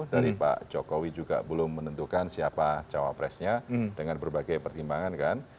dari pak jokowi juga belum menentukan siapa cawapresnya dengan berbagai pertimbangan kan